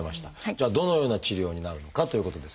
じゃあどのような治療になるのかということですが。